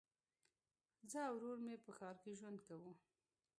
زه او ورور مي په ښار کي ژوند کوو.